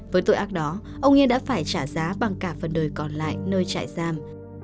với tội ác đó ông yên đã phải trả giá bằng cả phần đời còn lại nơi trại giam